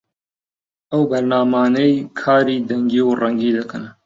ئەو بەرنامانەی کاری دەنگی و ڕەنگی دەکەن